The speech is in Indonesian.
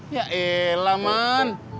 ya elah man